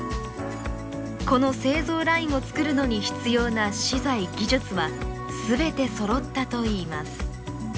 この製造ラインを作るのに必要な資材技術は全てそろったといいます。